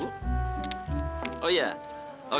oh sekitar jam empat